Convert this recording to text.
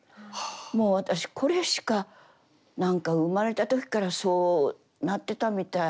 もう私これしか何か生まれた時からそうなってたみたい。